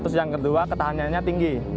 terus yang kedua ketahannya tinggi